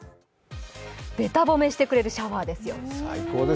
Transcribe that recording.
べた褒めしてくれるシャワーですよ。